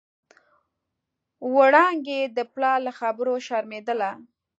وړانګې د پلار له خبرو شرمېدله.